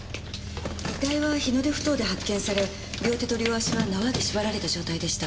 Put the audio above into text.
遺体は日の出埠頭で発見され両手と両足は縄で縛られた状態でした。